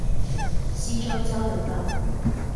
溪洲交流道